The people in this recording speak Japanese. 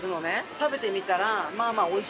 食べてみたらまあまあおいしいの。